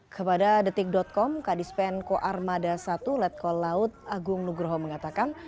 kepada detik com kadis penko armada satu letkol laut agung nugroho mengatakan